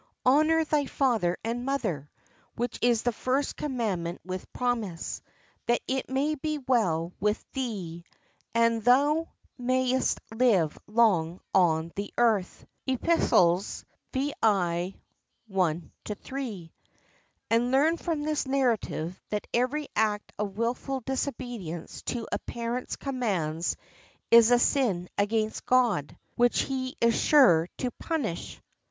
Honour thy father and mother, which is the first commandment with promise; that it may be well with thee, and thou mayest live long on the earth," (Eph. vi. 1 3), and learn from this narrative that every act of wilful disobedience to a parent's commands is a sin against God, which He is sure to punish.